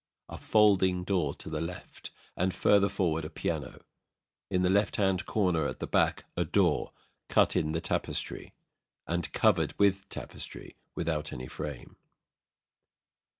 A folding door to the left, and further forward a piano. In the left hand corner, at the back, a door, cut in the tapestry, and covered with tapestry, without any frame.